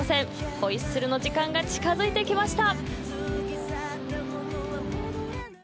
ホイッスルの時間が近づいてきました。